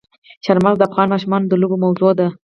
چار مغز د افغان ماشومانو د لوبو موضوع ده.